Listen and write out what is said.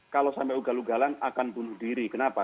kalau sampai ugal ugalan akan bunuh diri kenapa